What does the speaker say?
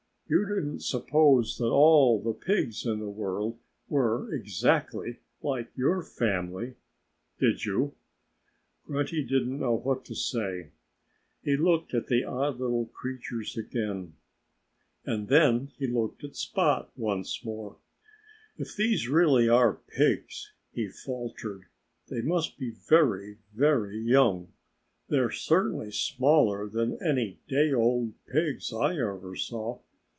"You didn't suppose that all the pigs in the world were exactly like your family did you?" Grunty didn't know what to say. He looked at the odd little creatures again. And then he looked at Spot once more. "If these really are pigs," he faltered, "they must be very, very young. They're certainly smaller than any day old pigs I ever saw....